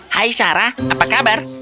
hai sarah apa kabar